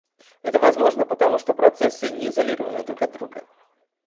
Это возможно, потому что процессы не изолированы друг от друга